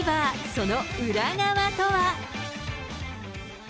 その裏側とは。